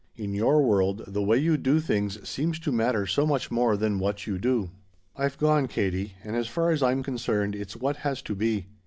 In your world the way you do things seems to matter so much more than what you do. "I've gone, Katie, and as far as I'm concerned it's what has to be.